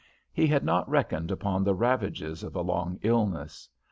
He had not reckoned upon the ravages of a long illness.